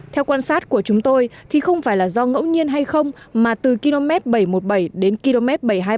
theo quan sát của chúng tôi thì không phải là do ngẫu nhiên hay không mà từ km bảy trăm một mươi bảy đến km bảy trăm hai mươi